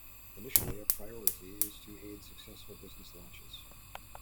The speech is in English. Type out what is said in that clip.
Initially, a priority is to aid successful business launches.